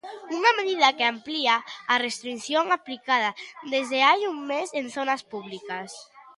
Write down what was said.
Unha medida que amplía a restrición aplicada desde hai un mes en zonas públicas.